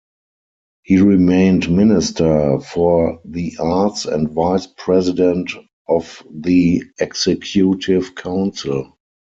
He remained Minister for the Arts and Vice-President of the Executive Council.